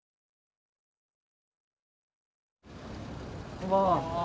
こんばんは。